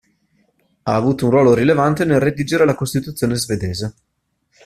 Ha avuto un ruolo rilevante nel redigere la Costituzione svedese.